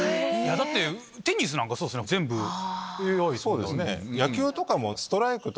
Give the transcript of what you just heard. だってテニスなんかそうです全部ＡＩですもんね。